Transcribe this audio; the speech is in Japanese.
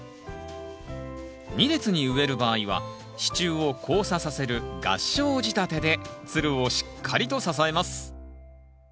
２列に植える場合は支柱を交差させる合掌仕立てでつるをしっかりと支えます。